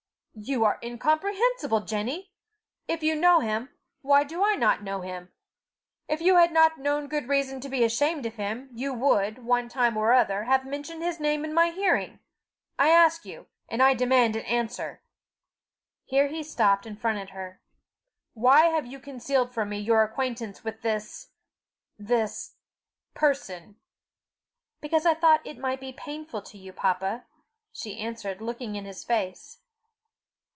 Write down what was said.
"You are incomprehensible, Jenny! If you know him, why do I not know him? If you had not known good reason to be ashamed of him, you would, one time or other, have mentioned his name in my hearing. I ask you, and I demand an answer," here he stopped, and fronted her "why have you concealed from me your acquaintance with this this person?" "Because I thought it might be painful to you, papa," she answered, looking in his face.